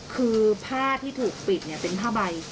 คือผ้าที่ถูกปิดเป็นผ้าใบ